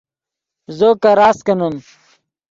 زو کراست کینیم